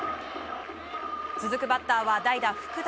続くバッターは代打、福田。